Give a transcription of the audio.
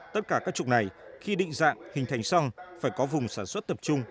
tất cả các trụ này khi định dạng hình thành xong phải có vùng sản xuất tập trung